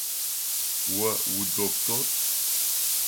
О удоктор?